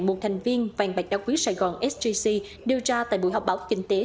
một thành viên vàng bạch đá quý sài gòn sgc đưa ra tại buổi họp báo kinh tế